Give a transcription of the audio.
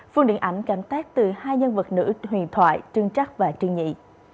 phương điện ảnh cảm tác từ hai nhân vật nữ huyền thoại trương trắc và trương nhị